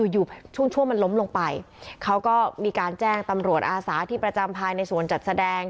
อยู่ช่วงช่วงมันล้มลงไปเขาก็มีการแจ้งตำรวจอาสาที่ประจำภายในสวนจัดแสดง